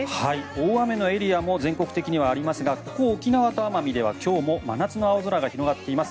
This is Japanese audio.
大雨のエリアも全国的にはありますがここ沖縄と奄美では今日も真夏の青空が広がっています。